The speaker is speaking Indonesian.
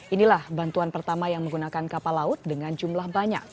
inilah bantuan pertama yang menggunakan kapal laut dengan jumlah banyak